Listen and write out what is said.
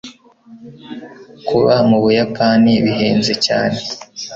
kuba mu buyapani bihenze cyane